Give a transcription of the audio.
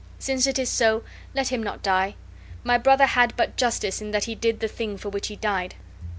Since it is so, let him not die! My brother had but justice in that he did the thing for which he died."